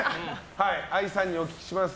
愛さんにお聞きします。